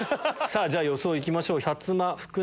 じゃ予想いきましょう。